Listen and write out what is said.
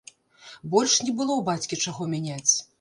Больш не было ў бацькі чаго мяняць.